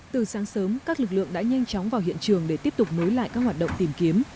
từ sáng sớm các lực lượng đã nhanh chóng vào hiện trường để tiếp tục nối lại các hoạt động tìm kiếm